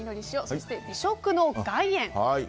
そして美食の岩塩。